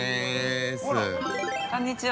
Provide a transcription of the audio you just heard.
◆こんにちは。